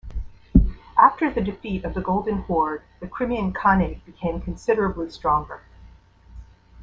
After the defeat of the Golden Horde, the Crimean Khanate became considerably stronger.